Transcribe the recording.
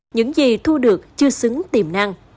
những gì thu được chưa xứng tiềm năng